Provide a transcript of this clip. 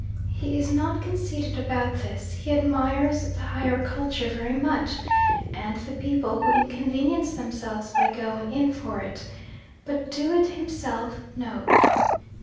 He is not conceited about this; he admires the higher culture very much, and the people who inconvenience themselves by going in for it but do it himself? NO.